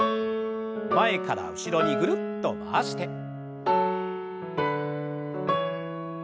前から後ろにぐるっと回して。